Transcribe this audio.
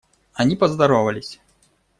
Они поздоровались.